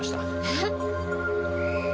えっ！